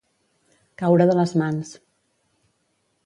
Caure de les mans.